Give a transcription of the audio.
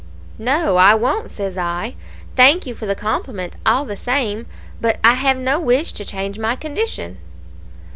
"'No I won't,' says I. 'Thank you for the compliment, all the same, but I have no wish to change my condition.'